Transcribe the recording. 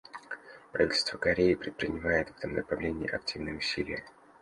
Правительство Кореи предпринимает в этом направлении активные усилия.